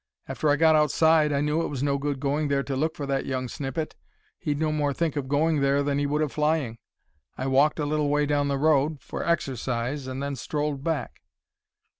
"After I got outside I knew it was no good going there to look for that young snippet. He'd no more think of going there than he would of flying. I walked a little way down the road—for exercise—and then strolled back."